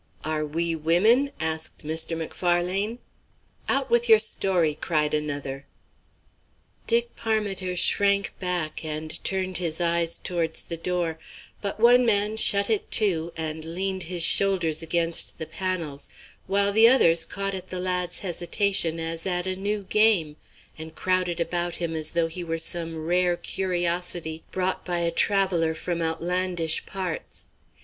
"Are we women?" asked Mr. Macfarlane. "Out with your story," cried another. Dick Parmiter shrank back and turned his eyes towards the door, but one man shut it to and leaned his shoulders against the panels, while the others caught at the lad's hesitation as at a new game, and crowded about him as though he was some rare curiosity brought by a traveller from outlandish parts.